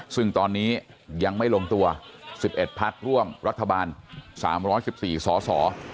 ซึ่งตอนนี้ยังไม่ลงตัว๑๑พักร่วมรัฐบาล๓๑๔สส